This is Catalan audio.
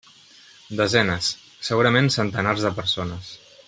Desenes, segurament centenars de persones.